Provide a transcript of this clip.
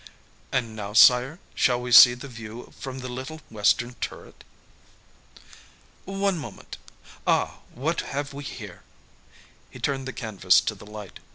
"And now, sire, shall we see the view from the little western turret?" "One moment. Ah, what have we here?" He turned the canvas to the light.